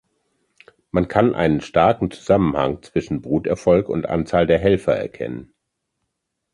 Man kann einen starken Zusammenhang zwischen Bruterfolg und Anzahl der Helfer erkennen.